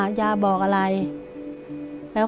พี่น้องของหนูก็ช่วยย่าทำงานค่ะ